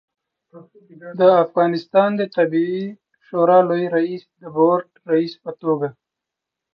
د افغانستان طبي شورا لوي رئیس د بورد رئیس په توګه